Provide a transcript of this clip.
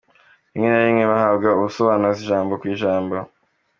Rimwe na rimwe bahabwa ubusobanuzi ijambo ku ijambo.